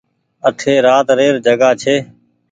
اٺي رات ري ر جگآ ڇي۔